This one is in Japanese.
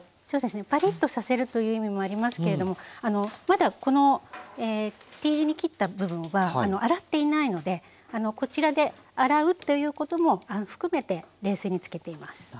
そうですねパリッとさせるという意味もありますけれどもまだこのＴ字に切った部分は洗っていないのでこちらで洗うということも含めて冷水につけています。